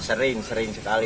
sering sering sekali